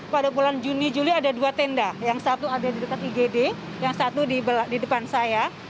pada bulan juni juli ada dua tenda yang satu ada di dekat igd yang satu di depan saya